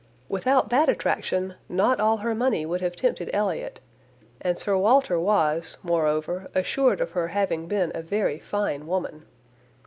Without that attraction, not all her money would have tempted Elliot, and Sir Walter was, moreover, assured of her having been a very fine woman.